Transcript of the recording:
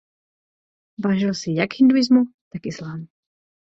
Vážil si jak hinduismu tak islámu.